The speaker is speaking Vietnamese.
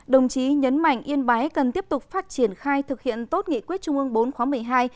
đồng chí nhấn mạnh yên bái cần tiếp tục phát triển khai thực hiện tốt nghị quyết trung ương bốn khóa một mươi hai